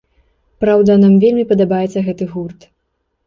Праўда, нам вельмі падабаецца гэты гурт.